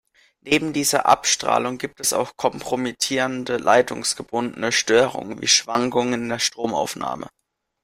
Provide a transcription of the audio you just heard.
Neben dieser Abstrahlung gibt es auch kompromittierende leitungsgebundene Störungen wie Schwankungen in der Stromaufnahme.